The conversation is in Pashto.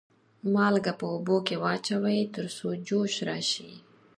مالګه په اوبو کې واچوئ تر څو جوش راشي.